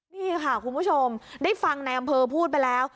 นี่ค่ะคุณผู้ชมได้ฟังในอำเภอพูดไปแล้ว